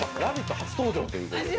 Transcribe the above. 初登場ということですけど。